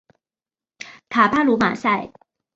卡巴卢马塞。